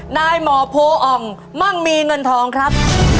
นายหมอโพออ่องมั่งมีเงินทองครับ